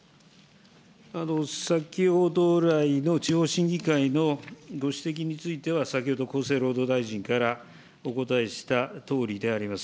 先ほど来の中央審議会のご指摘については、先ほど厚生労働大臣からお答えしたとおりであります。